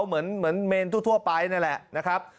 เหมือนเมนด์ทั่วแบบนี้แหละนะครับ